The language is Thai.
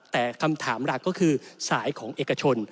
แต่คำถามหลักก็คือสายของเอกชน